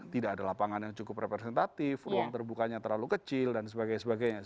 tidak ada lapangan yang cukup representatif ruang terbukanya terlalu kecil dan sebagainya